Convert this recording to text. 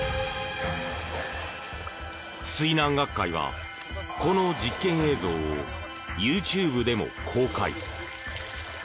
水難学会は、この実験映像をＹｏｕＴｕｂｅでも公開。